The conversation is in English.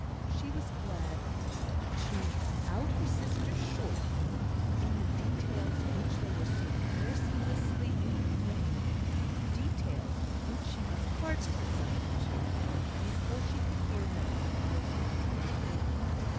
She was glad to cut her sisters short in the details which they were so mercilessly inflicting details which she must harden herself to, before she could hear them quietly and unmoved.